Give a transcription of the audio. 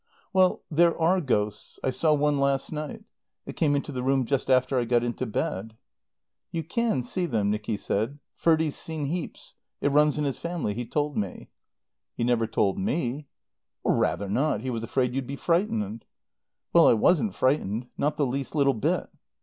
"Well there are ghosts. I saw one last night. It came into the room just after I got into bed." "You can see them," Nicky said. "Ferdie's seen heaps. It runs in his family. He told me." "He never told me." "Rather not. He was afraid you'd be frightened." "Well, I wasn't frightened. Not the least little bit."